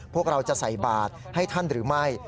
พวกเราจะใส่บาทให้ท่านหรือไม่